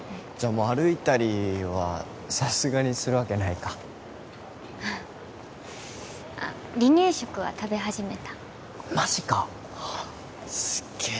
もう歩いたりはさすがにするわけないかあっ離乳食は食べ始めたマジかすっげえ